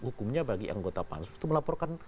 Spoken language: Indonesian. hukumnya bagi anggota pansus itu melaporkan